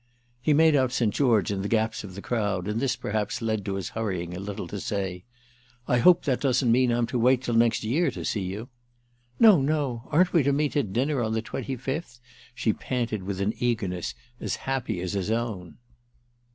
He made out St. George in the gaps of the crowd, and this perhaps led to his hurrying a little to say: "I hope that doesn't mean I'm to wait till next year to see you." "No, no—aren't we to meet at dinner on the twenty fifth?" she panted with an eagerness as happy as his own.